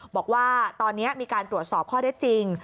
บอกว่าตอนนี้มีการตรวจสอบข้อได้จริง